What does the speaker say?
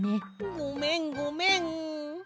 ごめんごめん！